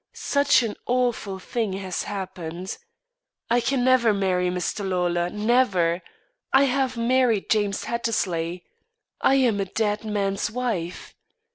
such an awful thing has happened. I can never marry Mr. Lawlor, never. I have married James Hattersley; I am a dead man's wife.